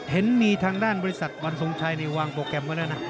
เห็นมีทางด้านบริษัทหวันทรงชัยในวางโปรแกรมของมันน่ะ